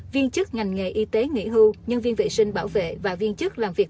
viên chức ngành nghề y tế nghỉ hưu nhân viên vệ sinh bảo vệ và viên chức làm việc